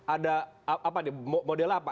ada apa nih model apa